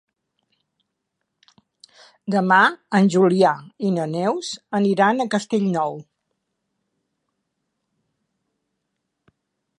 Demà en Julià i na Neus aniran a Castellnou.